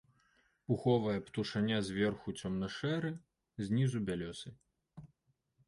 Пуховая птушаня зверху цёмна-шэры, знізу бялёсы.